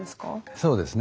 そうですね。